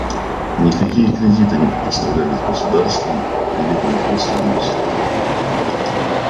Никакие кредиты не предоставлялись государствам или производственному сектору.